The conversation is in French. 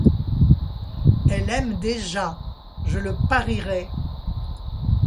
Elle aime déjà, je le parierais.